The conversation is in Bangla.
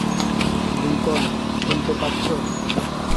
লিংকন, শুনতে পাচ্ছ?